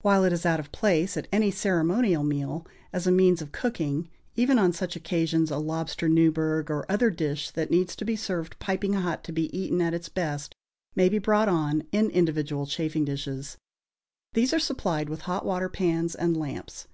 While it is out of place, at any ceremonial meal, as a means of cooking, even on such occasions a lobster Newburgh or other dish that needs be served piping hot to be eaten at its best may be brought on in individual chafing dishes. These are supplied with hot water pans and lamps.